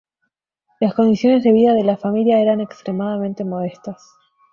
Las condiciones de vida de la familia eran extremadamente modestas.